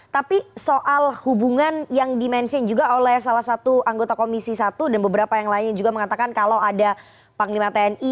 tapi soal hubungan yang dimensing juga oleh salah satu anggota komisi satu dan beberapa yang lainnya juga mengatakan kalau ada panglima tni